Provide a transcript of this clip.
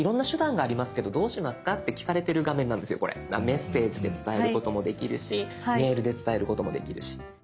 「メッセージ」で伝えることもできるし「メール」で伝えることもできるし。